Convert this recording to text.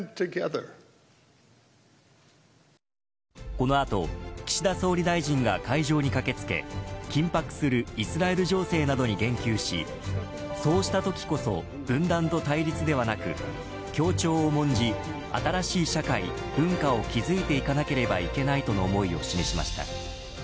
この後、岸田総理大臣が会場に駆け付け緊迫するイスラエル情勢などに言及しそうしたときこそ分断と対立ではなく協調を重んじ新しい社会、文化を築いていかなければいけないとの思いを示しました。